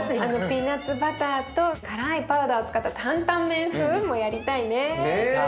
あのピーナツバターと辛いパウダーを使ったタンタン麺風もやりたいね。ね！